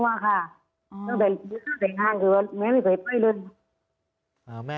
ไม่เคยไปบ้านค่ะ